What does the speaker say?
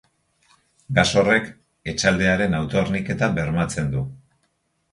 Gas horrek etxaldearen auto-horniketa bermatzen du.